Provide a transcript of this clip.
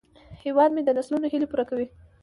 هیواد مې د نسلونو هیلې پوره کوي